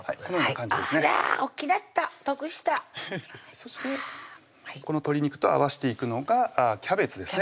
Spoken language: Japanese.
そしてこの鶏肉と合わしていくのがキャベツですね